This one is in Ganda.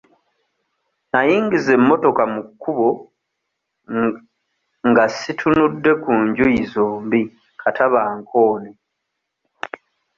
Nayingiza emmotoka mu kkubo nga situnudde ku njuyi zombi kata bankoone.